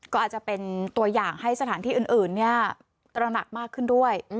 ก็อาจจะเป็นตัวอย่างให้สถานที่อื่นตระหนักมากขึ้นด้วย